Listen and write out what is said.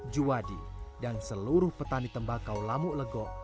juwadi dan seluruh petani tembakau lamuk legok